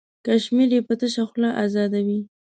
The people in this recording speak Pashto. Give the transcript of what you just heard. کشمیر یې په تشه خوله ازادوي.